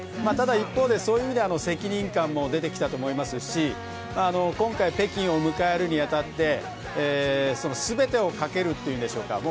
ただ一方で、そういう意味では責任感も出てきたと思いますし今回、北京を迎えるに当たって全てをかけるというんでしょうか。